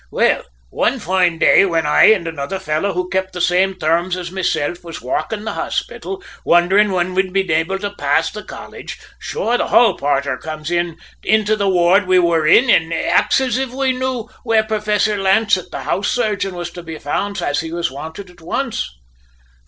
"Well, one foine day whin I an' another fellow who'd kept the same terms as mesilf were walking the hospital, wonderin' whin we'd be able to pass the college, sure the hall porter comes into the ward we were in an' axes if we knew where Professor Lancett, the house surgeon, was to be found, as he was wanted at once.